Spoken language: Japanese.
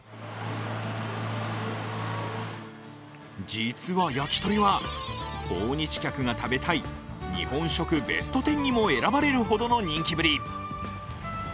実は、焼き鳥は「訪日客が食べたい日本食ベスト１０」にも選ばれるほどの人気ぶり。